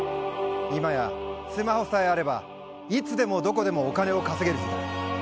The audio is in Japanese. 今やスマホさえあれば、いつでもどこでもお金を稼げる時代。